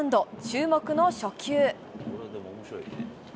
注目の初球。